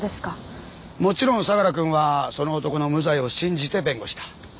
もちろん相良くんはその男の無罪を信じて弁護した。